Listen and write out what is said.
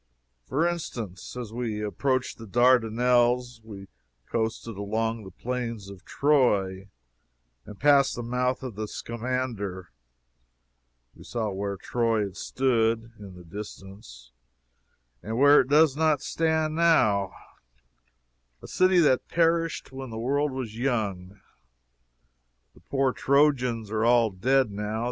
For instance, as we approached the Dardanelles, we coasted along the Plains of Troy and past the mouth of the Scamander; we saw where Troy had stood (in the distance,) and where it does not stand now a city that perished when the world was young. The poor Trojans are all dead, now.